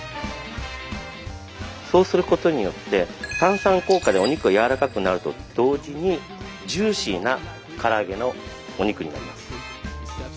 そうすることによって炭酸効果でお肉がやわらかくなると同時にジューシーなから揚げのお肉になります。